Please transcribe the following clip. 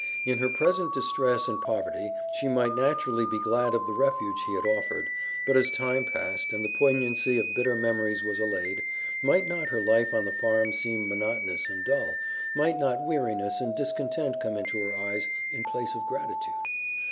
In her present distress and poverty she might naturally be glad of the refuge he had offered; but as time passed and the poignancy of bitter memories was allayed, might not her life on the farm seem monotonous and dull, might not weariness and discontent come into her eyes in place of gratitude?